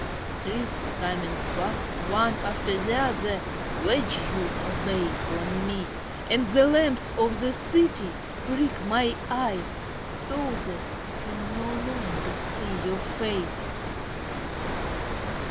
Streets coming fast, One after the other, Wedge you away from me, And the lamps of the city prick my eyes So that I can no longer see your face.